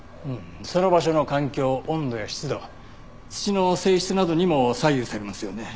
その場所の環境温度や湿度土の性質などにも左右されますよね。